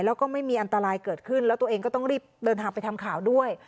แล้วก็ไม่มีอันตรายเกิดขึ้นแล้วตัวเองก็ต้องรีบเดินทางไปทำข่าวด้วย